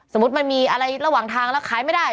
มันมีอะไรระหว่างทางแล้วขายไม่ได้